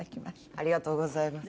ありがとうございます。